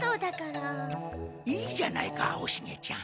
いいじゃないかおシゲちゃん。